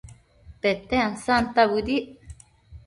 Pete ansanta bëdic